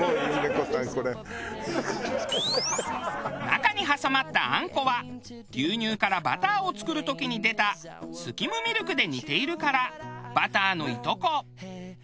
中に挟まったあんこは牛乳からバターを作る時に出たスキムミルクで煮ているから「バターのいとこ」。